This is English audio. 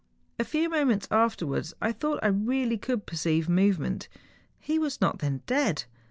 A few moments afterwards I thought that I really could perceive a movement. He was not then dead